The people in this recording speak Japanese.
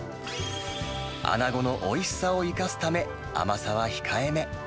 アナゴのおいしさを生かすため、甘さは控えめ。